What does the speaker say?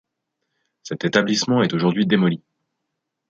Cet établissement est aujourd'hui démoli.